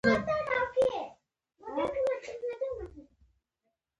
کله چې یوه خوا غلې شي، بله باید صبر وکړي.